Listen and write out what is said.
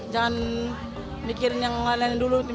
jangan mikirin yang lain lain dulu